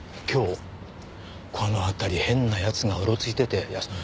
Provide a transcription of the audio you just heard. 今日この辺り変な奴がうろついてていや